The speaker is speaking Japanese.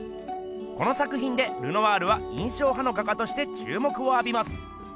この作ひんでルノワールは印象派の画家としてちゅうもくをあびます。